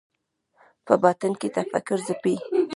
په باطن کې تفکر ځپي